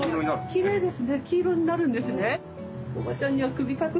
きれいです。